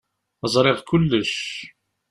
Ẓṛiɣ kullec.